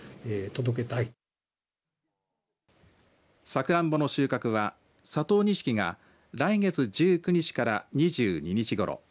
さくらんぼの収穫は、佐藤錦が来月１９日から２２日ごろ。